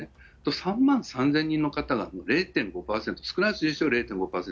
３万３０００人の方が０．５％、少ない数字ですよ、０．５％。